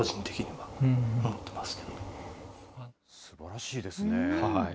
すばらしいですね。